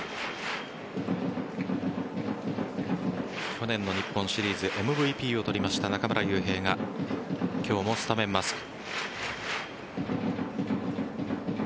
去年の日本シリーズＭＶＰを取りました中村悠平が今日もスタメンマスク。